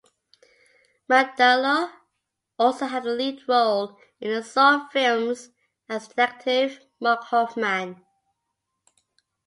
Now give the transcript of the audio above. Mandylor also had a lead role in the "Saw" films as Detective Mark Hoffman.